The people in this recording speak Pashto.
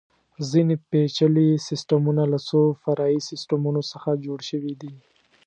ځینې پېچلي سیسټمونه له څو فرعي سیسټمونو څخه جوړ شوي دي.